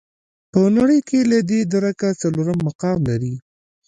په نړۍ کې له دې درکه څلورم مقام لري.